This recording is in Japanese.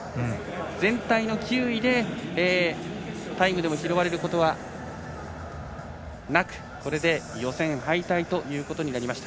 全体の９位でタイムでも拾われることはなくこれで予選敗退ということになりました。